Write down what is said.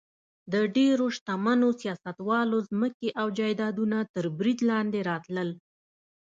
د ډېرو شتمنو سیاستوالو ځمکې او جایدادونه تر برید لاندې راتلل.